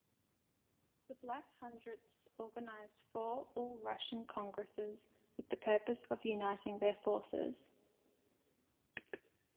The black-hundredists organized four all-Russian congresses with the purpose of uniting their forces.